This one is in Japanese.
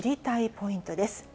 ポイントです。